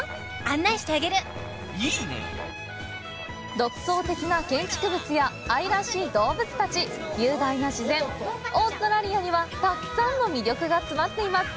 独創的な建築物や愛らしい動物たち、雄大な自然、オーストラリアにはたくさんの魅力が詰まっています。